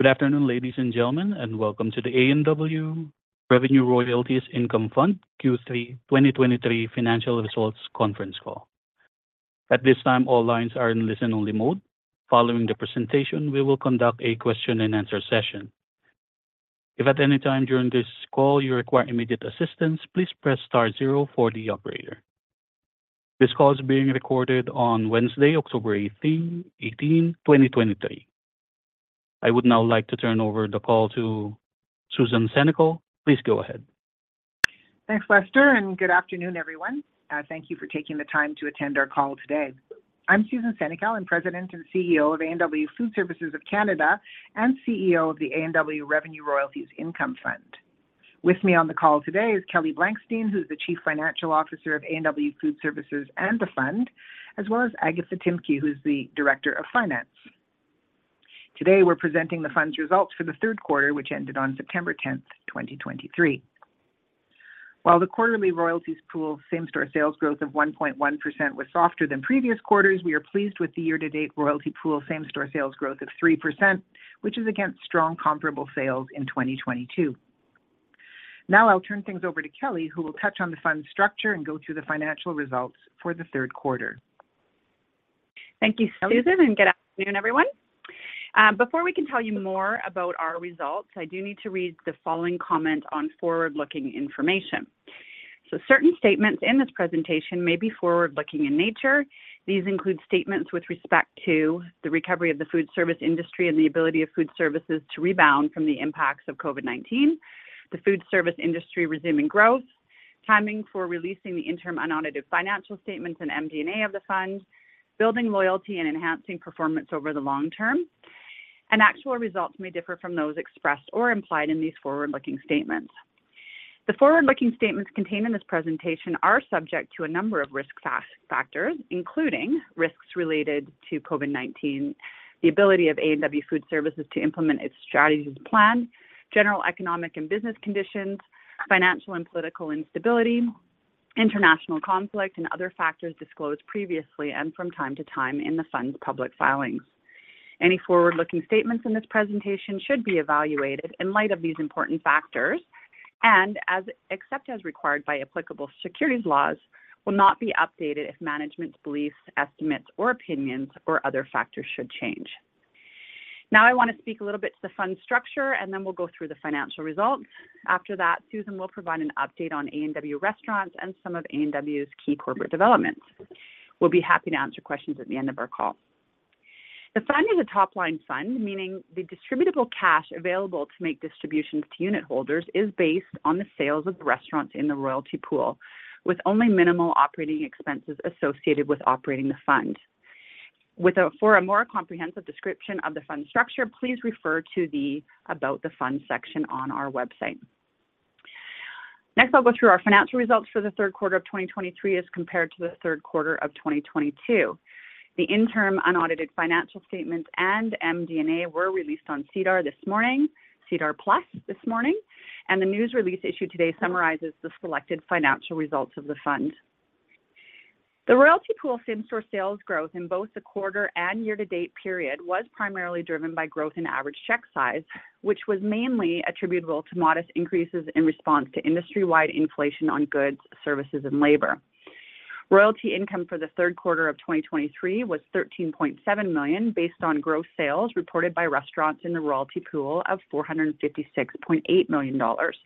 Good afternoon, ladies and gentlemen, and welcome to the A&W Revenue Royalties Income Fund Q3 2023 financial results conference call. At this time, all lines are in listen-only mode. Following the presentation, we will conduct a question and answer session. If at any time during this call you require immediate assistance, please press star zero for the operator. This call is being recorded on Wednesday, October 18th, 2023. I would now like to turn over the call to Susan Senecal. Please go ahead. Thanks, Lester, and good afternoon, everyone. Thank you for taking the time to attend our call today. I'm Susan Senecal, I'm President and CEO of A&W Food Services of Canada and CEO of the A&W Revenue Royalties Income Fund. With me on the call today is Kelly Blankstein, who's the Chief Financial Officer of A&W Food Services and the fund, as well as Agatha Timkiw, who's the Director of Finance. Today, we're presenting the fund's results for the third quarter, which ended on September 10, 2023. While the quarterly royalties pool same-store sales growth of 1.1% was softer than previous quarters, we are pleased with the year-to-date royalty pool same-store sales growth of 3%, which is against strong comparable sales in 2022. Now I'll turn things over to Kelly, who will touch on the fund's structure and go through the financial results for the Q3. Thank you, Susan, and good afternoon, everyone. Before we can tell you more about our results, I do need to read the following comment on forward-looking information. Certain statements in this presentation may be forward-looking in nature. These include statements with respect to the recovery of the food service industry and the ability of food services to rebound from the impacts of COVID-19, the food service industry resuming growth, timing for releasing the interim unaudited financial statements and MD&A of the Fund, building loyalty and enhancing performance over the long term, and actual results may differ from those expressed or implied in these forward-looking statements. The forward-looking statements contained in this presentation are subject to a number of risk factors, including risks related to COVID-19, the ability of A&W Food Services to implement its strategies as planned, general economic and business conditions, financial and political instability, international conflict and other factors disclosed previously and from time to time in the Fund's public filings. Any forward-looking statements in this presentation should be evaluated in light of these important factors and as, except as required by applicable securities laws, will not be updated if management's beliefs, estimates, or opinions or other factors should change. Now, I want to speak a little bit to the Fund's structure, and then we'll go through the financial results. After that, Susan will provide an update on A&W Restaurants and some of A&W's key corporate developments. We'll be happy to answer questions at the end of our call. The Fund is a top-line fund, meaning the distributable cash available to make distributions to unitholders is based on the sales of restaurants in the royalty pool, with only minimal operating expenses associated with operating the Fund. For a more comprehensive description of the Fund's structure, please refer to the About the Fund section on our website. Next, I'll go through our financial results for the Q3 of 2023 as compared to the third quarter of 2022. The interim unaudited financial statements and MD&A were released on SEDAR this morning, SEDAR+ this morning, and the news release issued today summarizes the selected financial results of the Fund. The royalty pool same-store sales growth in both the quarter and year-to-date period was primarily driven by growth in average check size, which was mainly attributable to modest increases in response to industry-wide inflation on goods, services, and labor. Royalty income for the Q3 of 2023 was 13.7 million, based on gross sales reported by restaurants in the royalty pool of 456.8 million dollars,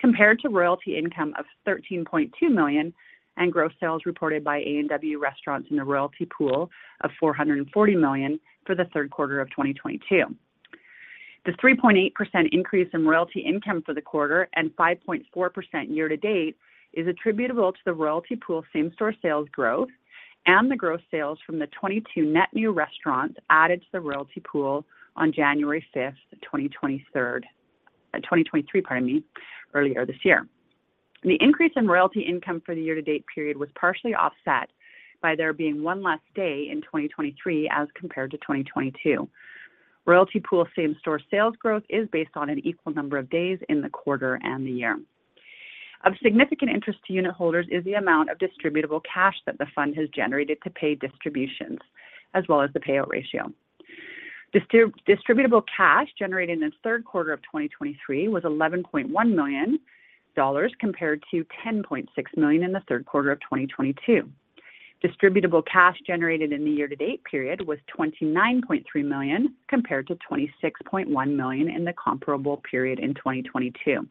compared to royalty income of 13.2 million and gross sales reported by A&W Restaurants in the royalty pool of 440 million for the Q3 of 2022. The 3.8% increase in royalty income for the quarter and 5.4% year to date is attributable to the royalty pool same-store sales growth and the gross sales from the 22 net new restaurants added to the royalty pool on January 5th, 2023, pardon me, earlier this year. The increase in royalty income for the year-to-date period was partially offset by there being one less day in 2023 as compared to 2022. Royalty pool same-store sales growth is based on an equal number of days in the quarter and the year. Of significant interest to unitholders is the amount of distributable cash that the Fund has generated to pay distributions, as well as the payout ratio. Distributable cash generated in the Q3 of 2023 was 11.1 million dollars, compared to 10.6 million in the Q3 of 2022. Distributable cash generated in the year-to-date period was 29.3 million, compared to 26.1 million in the comparable period in 2022.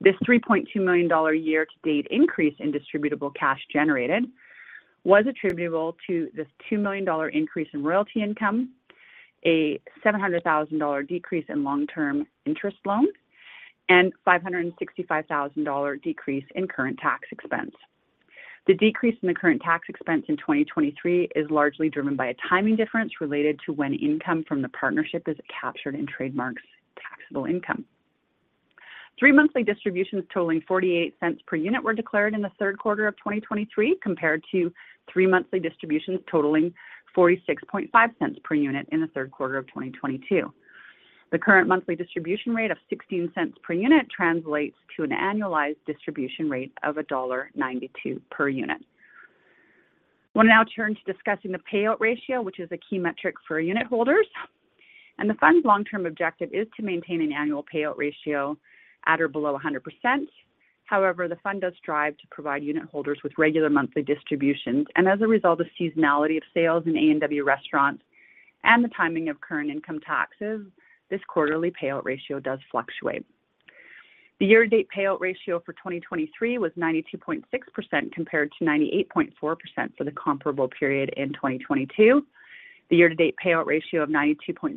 This 3.2 million dollar year-to-date increase in distributable cash generated was attributable to this 2 million dollar increase in royalty income, a 700 thousand dollar decrease in long-term interest loans, and 565 thousand dollar decrease in current tax expense. The decrease in the current tax expense in 2023 is largely driven by a timing difference related to when income from the partnership is captured in Trade Marks' taxable income. Three monthly distributions totaling 0.48 per unit were declared in the Q3 of 2023, compared to three monthly distributions totaling 0.465 per unit in the Q3 of 2022. The current monthly distribution rate of 0.16 per unit translates to an annualized distribution rate of dollar 1.92 per unit.... We'll now turn to discussing the payout ratio, which is a key metric for unit holders. The fund's long-term objective is to maintain an annual payout ratio at or below 100%. However, the fund does strive to provide unit holders with regular monthly distributions, and as a result of seasonality of sales in A&W Restaurants and the timing of current income taxes, this quarterly payout ratio does fluctuate. The year-to-date payout ratio for 2023 was 92.6%, compared to 98.4% for the comparable period in 2022. The year-to-date payout ratio of 92.6%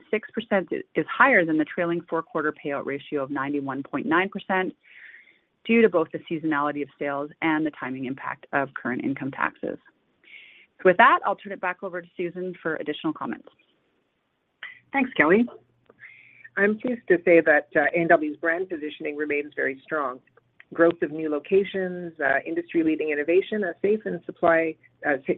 is higher than the trailing Q4 payout ratio of 91.9%, due to both the seasonality of sales and the timing impact of current income taxes. So with that, I'll turn it back over to Susan for additional comments. Thanks, Kelly. I'm pleased to say that, A&W's brand positioning remains very strong. Growth of new locations, industry-leading innovation, a safe and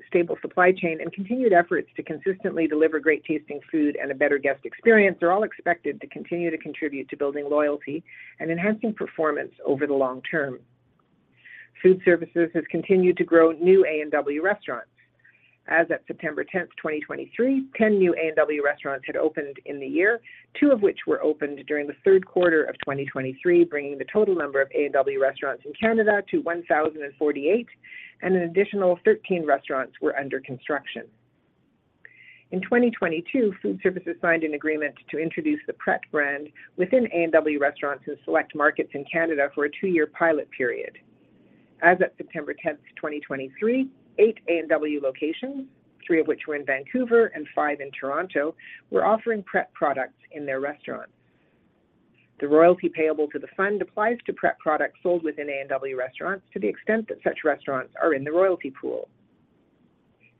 stable supply chain, and continued efforts to consistently deliver great-tasting food and a better guest experience, are all expected to continue to contribute to building loyalty and enhancing performance over the long term. Food Services has continued to grow new A&W restaurants. As at September 10, 2023, 10 new A&W restaurants had opened in the year, two of which were opened during the Q3 of 2023, bringing the total number of A&W restaurants in Canada to 1,048, and an additional 13 restaurants were under construction. In 2022, Food Services signed an agreement to introduce the Pret brand within A&W restaurants in select markets in Canada for a two year pilot period. As of September 10, 2023, eight A&W locations, three of which were in Vancouver and five in Toronto, were offering Pret products in their restaurants. The royalty payable to the fund applies to Pret products sold within A&W restaurants to the extent that such restaurants are in the royalty pool.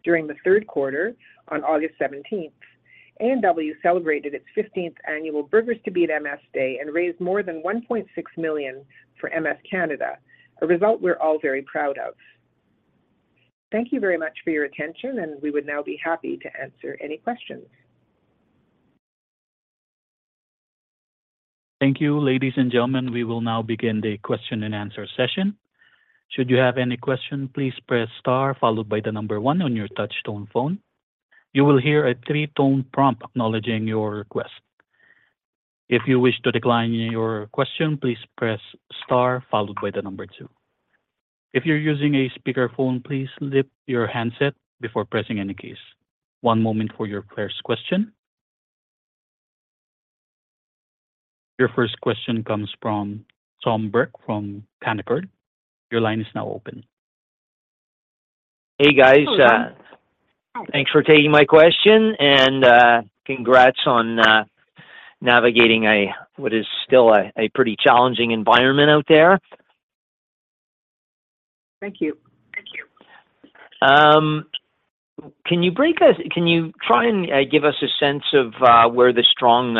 During the Q3, on August 17, A&W celebrated its 15th annual Burgers to Beat MS Day and raised more than 1.6 million for MS Canada, a result we're all very proud of. Thank you very much for your attention, and we would now be happy to answer any questions. Thank you, ladies and gentlemen. We will now begin the question and answer session. Should you have any question, please press star followed by the number 1 on your touchtone phone. You will hear a three-tone prompt acknowledging your request. If you wish to decline your question, please press star followed by the number two. If you're using a speakerphone, please lift your handset before pressing any keys. One moment for your first question. Your first question comes from Tom Burke from Canaccord. Your line is now open. Hey, guys. Hello. Thanks for taking my question, and congrats on navigating what is still a pretty challenging environment out there. Thank you. Thank you. Can you try and give us a sense of where the strong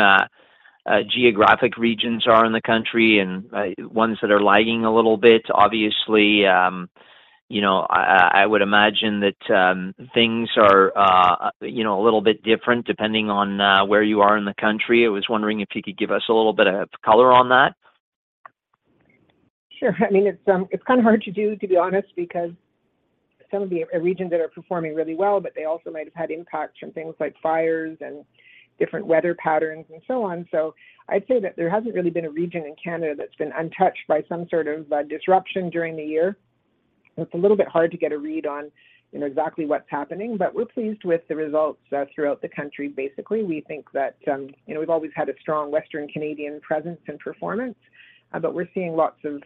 geographic regions are in the country and ones that are lagging a little bit? Obviously, you know, I would imagine that things are you know a little bit different, depending on where you are in the country. I was wondering if you could give us a little bit of color on that. Sure. I mean, it's, it's kind of hard to do, to be honest, because some of the regions that are performing really well, but they also might have had impacts from things like fires and different weather patterns and so on. So I'd say that there hasn't really been a region in Canada that's been untouched by some sort of disruption during the year. It's a little bit hard to get a read on, you know, exactly what's happening, but we're pleased with the results throughout the country. Basically, we think that, you know, we've always had a strong Western Canadian presence and performance, but we're seeing lots of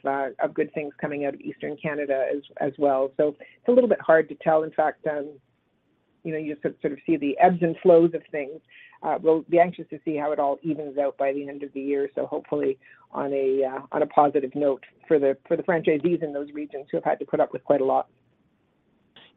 good things coming out of Eastern Canada as well. So it's a little bit hard to tell. In fact, you know, you sort of see the ebbs and flows of things. We'll be anxious to see how it all evens out by the end of the year, so hopefully on a positive note for the franchisees in those regions who have had to put up with quite a lot.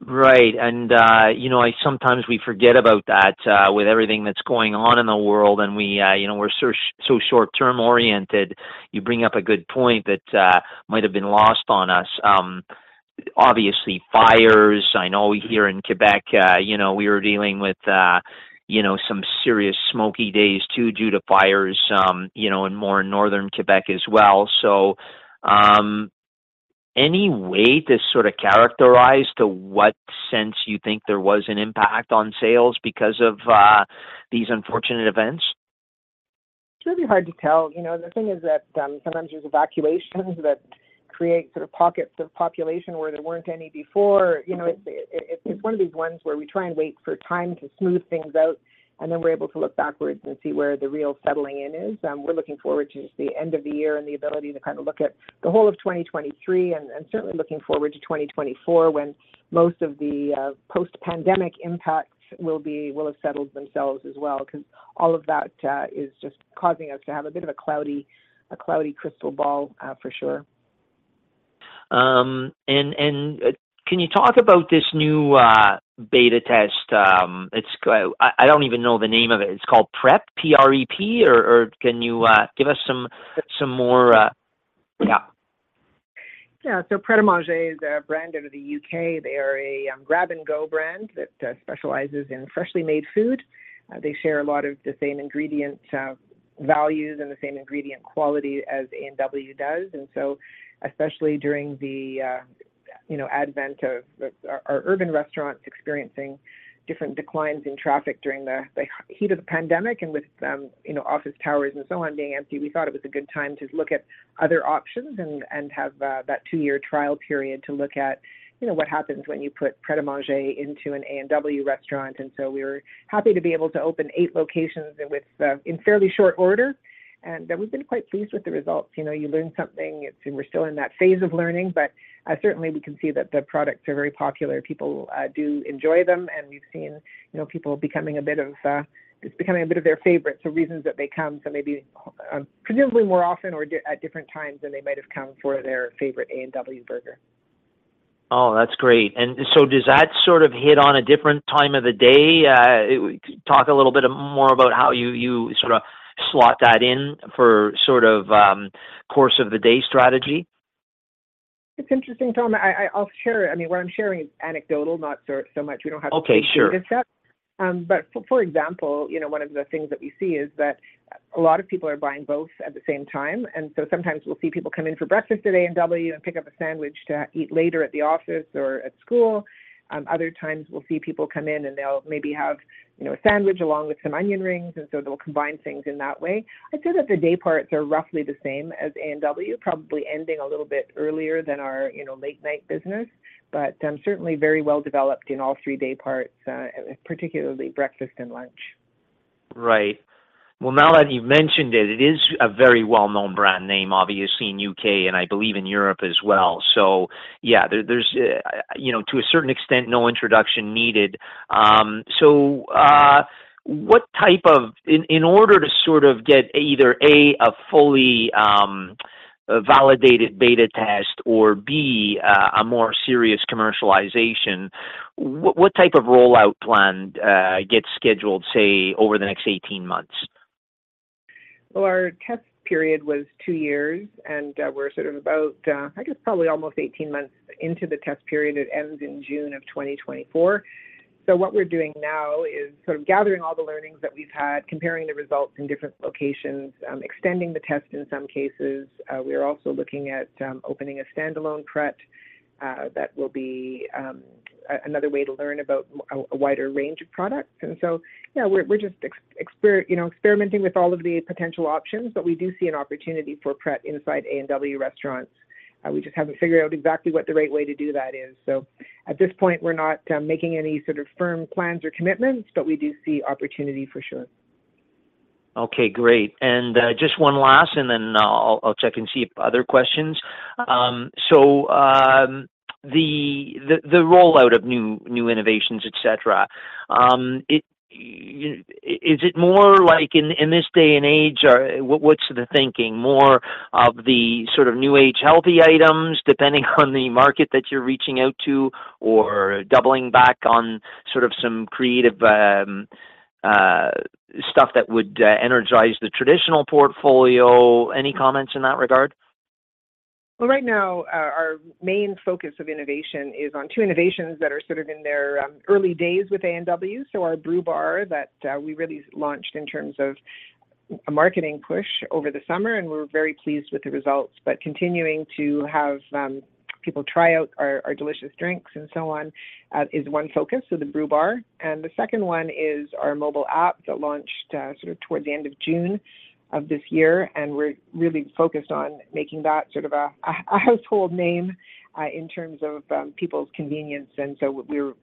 Right. And, you know, I sometimes we forget about that, with everything that's going on in the world, and we, you know, we're so, so short-term oriented. You bring up a good point that, might have been lost on us. Obviously, fires, I know here in Quebec, you know, we were dealing with, you know, some serious smoky days, too, due to fires, you know, and more in northern Quebec as well. So, any way to sort of characterize to what sense you think there was an impact on sales because of, these unfortunate events? It's really hard to tell. You know, the thing is that, sometimes there's evacuations that create sort of pockets of population where there weren't any before. You know, it's one of these ones where we try and wait for time to smooth things out, and then we're able to look backwards and see where the real settling in is. We're looking forward to the end of the year and the ability to kind of look at the whole of 2023, and certainly looking forward to 2024, when most of the post-pandemic impacts will be, will have settled themselves as well. 'Cause all of that is just causing us to have a bit of a cloudy crystal ball, for sure. And can you talk about this new beta test? I don't even know the name of it. It's called Pret, P-R-E-T, or can you give us some more? Yeah. Yeah. So Pret A Manger is a brand out of the U.K. They are a grab-and-go brand that specializes in freshly made food. They share a lot of the same ingredient values and the same ingredient quality as A&W does, and so especially during the, you know, advent of our urban restaurants experiencing different declines in traffic during the heat of the pandemic, and with, you know, office towers and so on being empty, we thought it was a good time to look at other options and have that two-year trial period to look at, you know, what happens when you put Pret A Manger into an A&W restaurant. And so we were happy to be able to open eight locations and within fairly short order, and then we've been quite pleased with the results. You know, you learn something, and we're still in that phase of learning, but certainly we can see that the products are very popular. People do enjoy them, and we've seen, you know, people becoming a bit of, it's becoming a bit of their favorite, so reasons that they come, so maybe, presumably more often or at different times than they might have come for their favorite A&W burger. Oh, that's great. And so does that sort of hit on a different time of the day? We talk a little bit more about how you, you sort of slot that in for sort of, course of the day strategy. It's interesting, Tom. I, I'll share... I mean, what I'm sharing is anecdotal, not so much- Okay, sure. We don't have, but for example, you know, one of the things that we see is that a lot of people are buying both at the same time. And so sometimes we'll see people come in for breakfast at A&W and pick up a sandwich to eat later at the office or at school. Other times we'll see people come in, and they'll maybe have, you know, a sandwich along with some onion rings, and so they'll combine things in that way. I'd say that the day parts are roughly the same as A&W, probably ending a little bit earlier than our, you know, late-night business, but certainly very well developed in all three day parts, particularly breakfast and lunch. Right. Well, now that you've mentioned it, it is a very well-known brand name, obviously, in U.K. and I believe in Europe as well. So yeah, there's, you know, to a certain extent, no introduction needed. So, what type of... In order to sort of get either, A, a fully a validated beta test or, B, a more serious commercialization, what type of rollout plan gets scheduled, say, over the next 18 months? Well, our test period was two years, and we're sort of about, I guess, probably almost 18 months into the test period. It ends in June of 2024. So what we're doing now is sort of gathering all the learnings that we've had, comparing the results in different locations, extending the test in some cases. We are also looking at opening a standalone Pret that will be another way to learn about a wider range of products. And so, yeah, we're just, you know, experimenting with all of the potential options, but we do see an opportunity for Pret inside A&W restaurants. We just haven't figured out exactly what the right way to do that is. So at this point, we're not making any sort of firm plans or commitments, but we do see opportunity for sure. Okay, great. And, just one last, and then I'll check and see if other questions. So, the rollout of new innovations, etc., is it more like in this day and age, or what's the thinking? More of the sort of new age, healthy items, depending on the market that you're reaching out to, or doubling back on sort of some creative stuff that would energize the traditional portfolio? Any comments in that regard? Well, right now, our main focus of innovation is on two innovations that are sort of in their early days with A&W. So our Brew Bar that we really launched in terms of a marketing push over the summer, and we're very pleased with the results, but continuing to have people try out our delicious drinks and so on is one focus, so the Brew Bar. And the second one is our mobile app that launched sort of toward the end of June of this year, and we're really focused on making that sort of a household name in terms of people's convenience. And so we're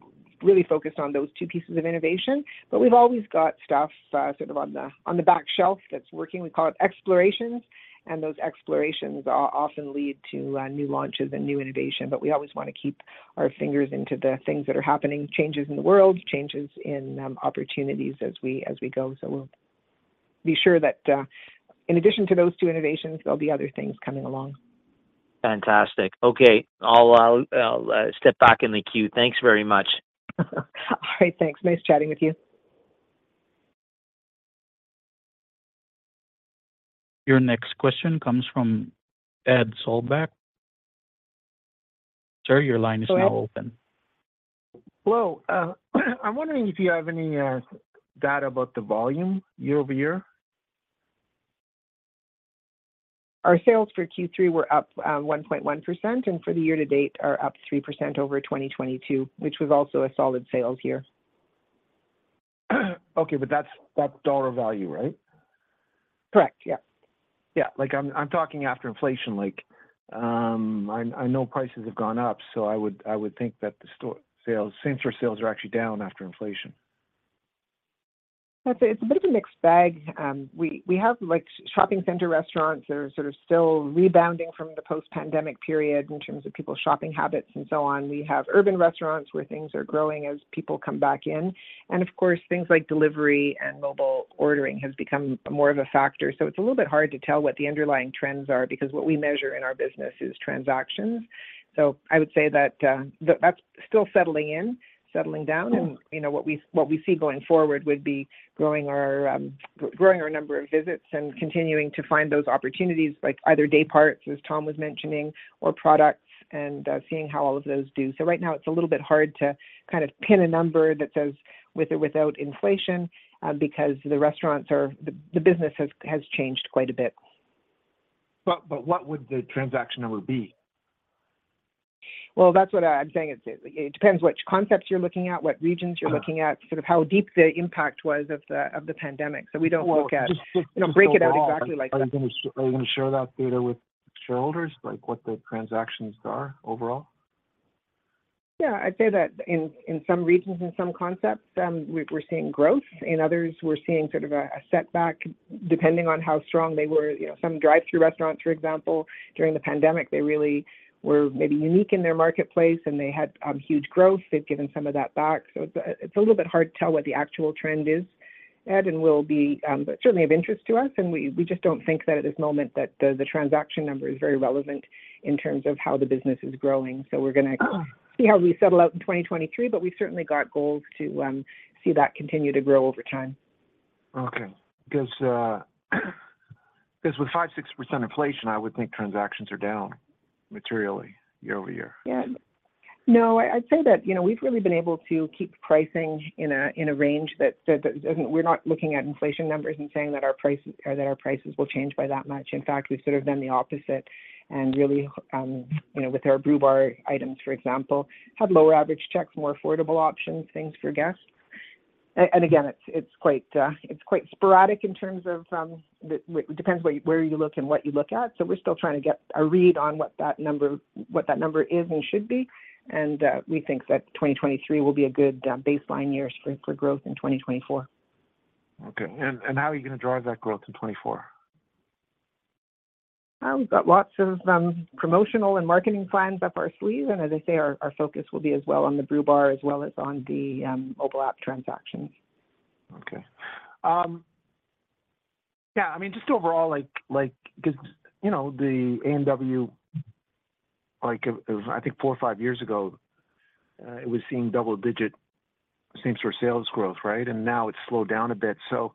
really focused on those two pieces of innovation. But we've always got stuff sort of on the back shelf that's working. We call it explorations, and those explorations often lead to new launches and new innovation. But we always wanna keep our fingers into the things that are happening, changes in the world, changes in opportunities as we go. So we'll be sure that in addition to those two innovations, there'll be other things coming along. Fantastic. Okay, I'll step back in the queue. Thanks very much. All right, thanks. Nice chatting with you. Your next question comes from Ed Sollbach. Sir, your line is now open. Hello, I'm wondering if you have any data about the volume year-over-year? Our sales for Q3 were up 1.1%, and for the year to date are up 3% over 2022, which was also a solid sales year. Okay, but that's, that's dollar value, right? Correct, yeah. Yeah, like, I'm talking after inflation. Like, I know prices have gone up, so I would think that the store sales - same-store sales are actually down after inflation. I'd say it's a bit of a mixed bag. We have, like, shopping center restaurants that are sort of still rebounding from the post-pandemic period in terms of people's shopping habits and so on. We have urban restaurants where things are growing as people come back in. And of course, things like delivery and mobile ordering has become more of a factor. So it's a little bit hard to tell what the underlying trends are because what we measure in our business is transactions. So I would say that that's still settling in, settling down, and You know, what we see going forward would be growing our number of visits and continuing to find those opportunities, like either day parts, as Tom was mentioning, or products, and seeing how all of those do. So right now, it's a little bit hard to kind of pin a number that says with or without inflation, because the restaurants are the business has changed quite a bit. But what would the transaction number be? Well, that's what I'm saying. It, it depends which concepts you're looking at, what regions you're looking at, sort of how deep the impact was of the pandemic. So we don't look at- Well, just, just- You know, break it out exactly like that. Are you gonna share that data with shareholders, like, what the transactions are overall? Yeah, I'd say that in some regions and some concepts, we're seeing growth, in others, we're seeing sort of a setback, depending on how strong they were. You know, some drive-through restaurants, for example, during the pandemic, they really were maybe unique in their marketplace, and they had huge growth. They've given some of that back. So it's a little bit hard to tell what the actual trend is, Ed, and will be, but certainly of interest to us, and we just don't think that at this moment, that the transaction number is very relevant in terms of how the business is growing. So we're gonna see how we settle out in 2023, but we've certainly got goals to see that continue to grow over time. Okay. 'Cause 'cause with 5%-6% inflation, I would think transactions are down materially year-over-year. Yeah. No, I, I'd say that, you know, we've really been able to keep pricing in a, in a range that, that, that, and we're not looking at inflation numbers and saying that our prices, or that our prices will change by that much. In fact, we've sort of done the opposite and really, you know, with our Brew Bar items, for example, have lower average checks, more affordable options, things for guests. And again, it's, it's quite, it's quite sporadic in terms of, it depends where you look and what you look at, so we're still trying to get a read on what that number, what that number is and should be, and, we think that 2023 will be a good, baseline year for, for growth in 2024. Okay. And how are you gonna drive that growth in 2024? We've got lots of promotional and marketing plans up our sleeve, and as I say, our focus will be as well on the Brew Bar as well as on the mobile app transactions. Okay. Yeah, I mean, just overall, like, like, 'cause, you know, the A&W, like, I think four or five years ago, it was seeing double digit same-store sales growth, right? And now it's slowed down a bit. So,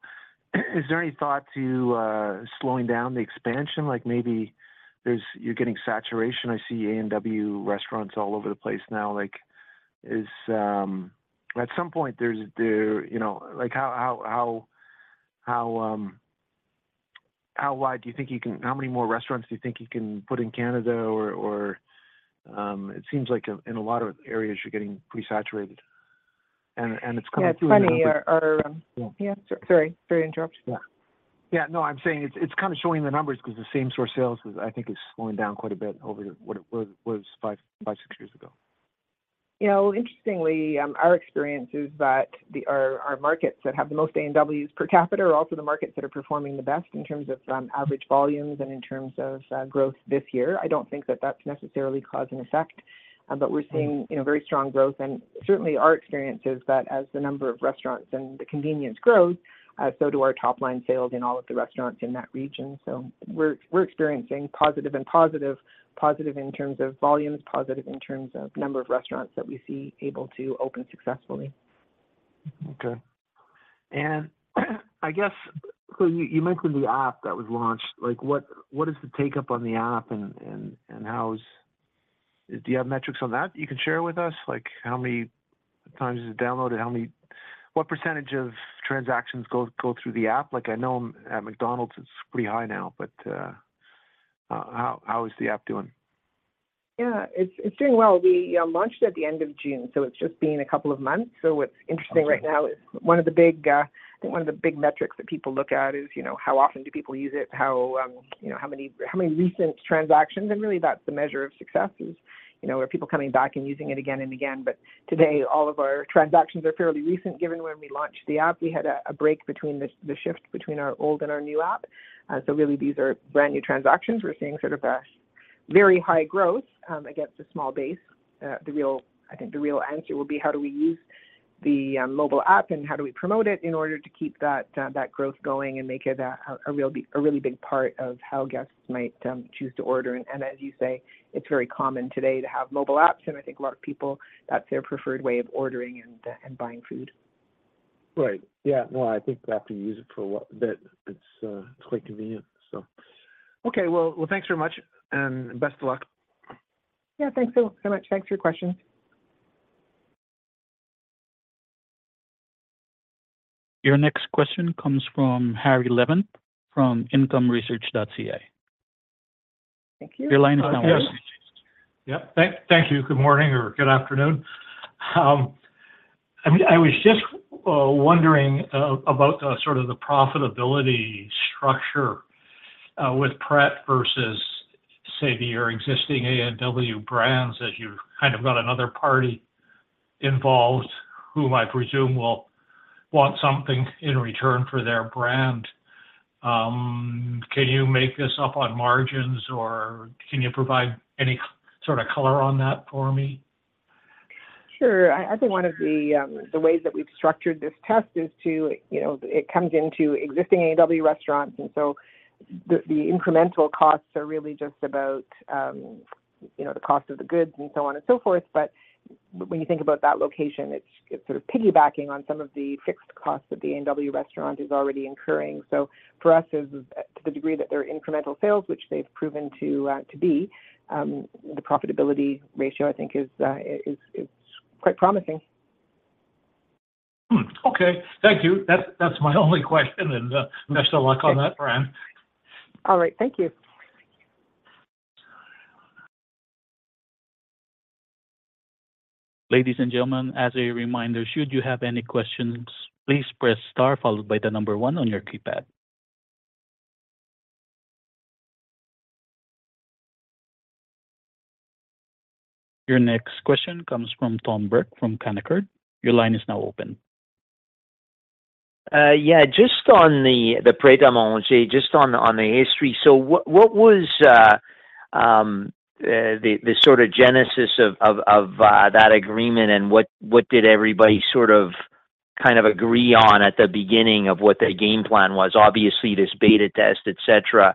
is there any thought to, slowing down the expansion? Like maybe there's... You're getting saturation. I see A&W restaurants all over the place now. Like, is... At some point, there's the, you know, like, how wide do you think you can-- how many more restaurants do you think you can put in Canada or, it seems like in a lot of areas you're getting pretty saturated, and it's kind of- Yeah, plenty are, Yeah. Yeah, sorry, sorry to interrupt you. Yeah. Yeah, no, I'm saying it's kind of showing the numbers because the Same-Store Sales is, I think, slowing down quite a bit over what it was five, six years ago. You know, interestingly, our experience is that our markets that have the most A&Ws per capita are also the markets that are performing the best in terms of average volumes and in terms of growth this year. I don't think that that's necessarily cause and effect, but we're seeing, you know, very strong growth, and certainly our experience is that as the number of restaurants and the convenience grows, so do our top-line sales in all of the restaurants in that region. So we're experiencing positive and positive: positive in terms of volumes, positive in terms of number of restaurants that we see able to open successfully. Okay. I guess, so you mentioned the app that was launched. Like, what is the take-up on the app, and how's... Do you have metrics on that you can share with us? Like, how many times is it downloaded, how many, what percentage of transactions go through the app? Like, I know at McDonald's, it's pretty high now, but how is the app doing? Yeah, it's, it's doing well. We launched at the end of June, so it's just been a couple of months. So what's interesting right now is one of the big, I think one of the big metrics that people look at is, you know, how often do people use it, how, you know, how many, how many recent transactions? And really, that's the measure of success, is, you know, are people coming back and using it again and again? But today, all of our transactions are fairly recent. Given when we launched the app, we had a break between the shift between our old and our new app, so really, these are brand-new transactions. We're seeing sort of a very high growth against a small base. I think the real answer will be, how do we use the mobile app, and how do we promote it in order to keep that growth going and make it a really big part of how guests might choose to order? And as you say, it's very common today to have mobile apps, and I think a lot of people, that's their preferred way of ordering and buying food. Right. Yeah. No, I think I have to use it for a while. But it's, it's quite convenient. So okay, well, well, thanks very much, and best of luck. Yeah. Thanks so, so much. Thanks for your questions. Your next question comes from Harry Levin, from IncomeResearch.ca. Thank you. Your line is now open. Yeah. Yep. Thank you. Good morning or good afternoon. I mean, I was just wondering about sort of the profitability structure with Pret versus, say, your existing A&W brands, as you've kind of got another party involved, whom I presume will want something in return for their brand. Can you make this up on margins, or can you provide any sort of color on that for me? Sure. I think one of the ways that we've structured this test is to, you know, it comes into existing A&W restaurants, and so the incremental costs are really just about, you know, the cost of the goods and so on and so forth. But when you think about that location, it's sort of piggybacking on some of the fixed costs that the A&W restaurant is already incurring. So for us, as to the degree that they're incremental sales, which they've proven to be, the profitability ratio, I think, is quite promising. Okay, thank you. That's, that's my only question, and best of luck on that front. All right, thank you. Ladies and gentlemen, as a reminder, should you have any questions, please press star followed by the number one on your keypad. Your next question comes from Tom Burke from Canaccord. Your line is now open. Yeah, just on the Pret A Manger, just on the history. So what was the sort of genesis of that agreement, and what did everybody sort of, kind of agree on at the beginning of what their game plan was? Obviously, this beta test, etc.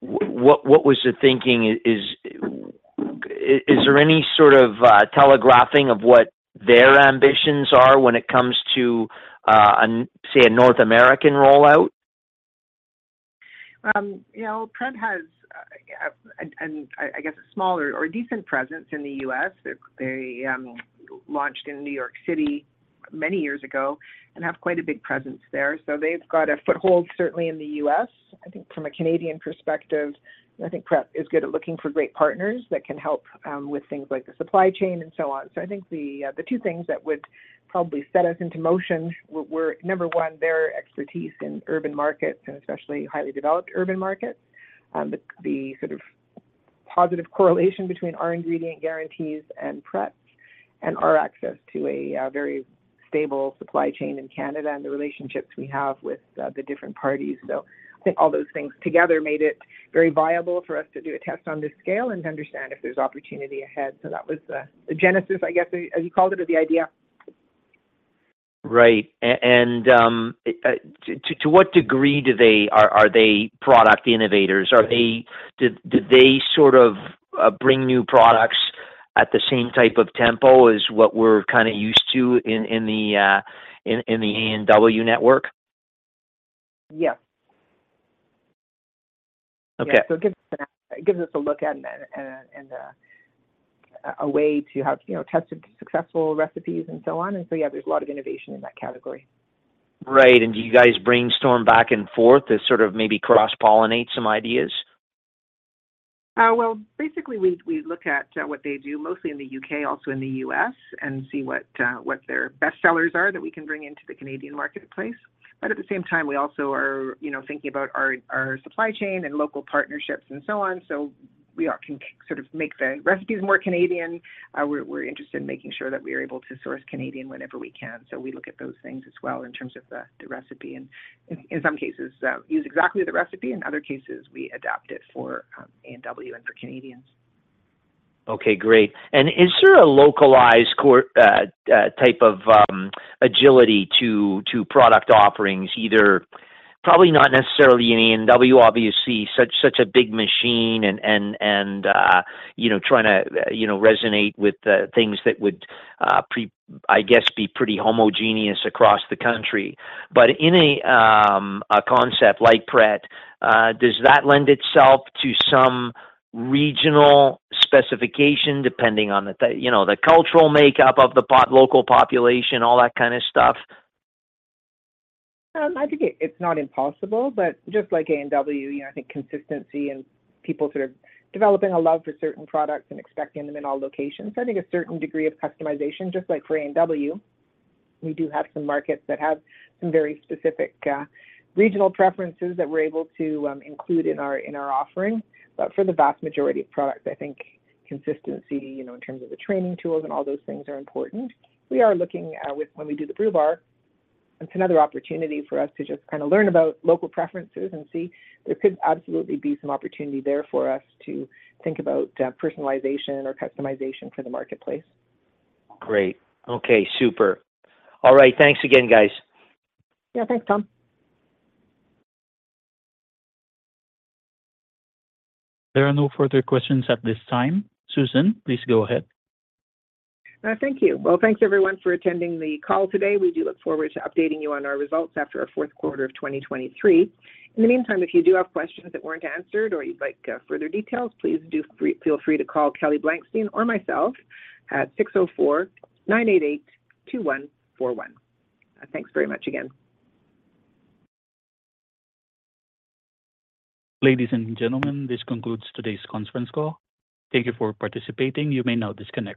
What was the thinking? Is there any sort of telegraphing of what their ambitions are when it comes to, say, a North American rollout? You know, Pret has I guess a smaller or a decent presence in the U.S. They launched in New York City many years ago and have quite a big presence there. So they've got a foothold, certainly in the U.S. I think from a Canadian perspective, I think Pret is good at looking for great partners that can help with things like the supply chain and so on. So I think the two things that would probably set us into motion were, number one, their expertise in urban markets, and especially highly developed urban markets. The sort of positive correlation between our ingredient guarantees and Pret, and our access to a very stable supply chain in Canada and the relationships we have with the different parties. So I think all those things together made it very viable for us to do a test on this scale and to understand if there's opportunity ahead. So that was, the genesis, I guess, as you called it, or the idea. Right. And to what degree do they... Are they product innovators? Are they? Do they sort of bring new products at the same type of tempo as what we're kinda used to in the A&W network? Yes. Okay. So it gives us a look at and a way to have, you know, tested successful recipes and so on. And so, yeah, there's a lot of innovation in that category. Right. And do you guys brainstorm back and forth to sort of maybe cross-pollinate some ideas? Well, basically, we look at what they do, mostly in the U.K., also in the U.S., and see what their best sellers are that we can bring into the Canadian marketplace. But at the same time, we also are, you know, thinking about our supply chain and local partnerships and so on. So we can sort of make the recipes more Canadian. We're interested in making sure that we are able to source Canadian whenever we can. So we look at those things as well in terms of the recipe, and in some cases, use exactly the recipe, in other cases, we adapt it for A&W and for Canadians. Okay, great. And is there a localized core, type of, agility to, to product offerings, either... Probably not necessarily in A&W, obviously, such a big machine and, you know, trying to, you know, resonate with, things that would, I guess, be pretty homogeneous across the country. But in a, a concept like Pret, does that lend itself to some regional specification, depending on the, you know, the cultural makeup of the local population, all that kind of stuff? I think it's not impossible, but just like A&W, you know, I think consistency and people sort of developing a love for certain products and expecting them in all locations. I think a certain degree of customization, just like for A&W, we do have some markets that have some very specific regional preferences that we're able to include in our offering. But for the vast majority of products, I think consistency, you know, in terms of the training tools and all those things are important. We are looking with when we do the Brew Bar, it's another opportunity for us to just kinda learn about local preferences and see there could absolutely be some opportunity there for us to think about personalization or customization for the marketplace. Great. Okay, super. All right, thanks again, guys. Yeah, thanks, Tom. There are no further questions at this time. Susan, please go ahead. Thank you. Well, thanks everyone for attending the call today. We do look forward to updating you on our results after our Q4 of 2023. In the meantime, if you do have questions that weren't answered or you'd like further details, please do feel free to call Kelly Blankstein or myself at 604-988-2141. Thanks very much again. Ladies and gentlemen, this concludes today's conference call. Thank you for participating. You may now disconnect.